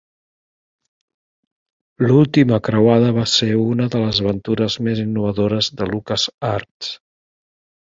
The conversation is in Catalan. "L'última creuada" va ser una de les aventures més innovadores de LucasArts.